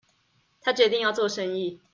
他決定要做生意